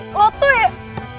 lo tuh ya